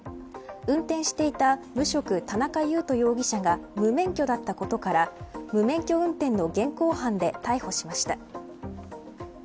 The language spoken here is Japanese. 運転していた無職田中優斗容疑者が無免許だったことから無免許運転の現行犯で逮捕しました。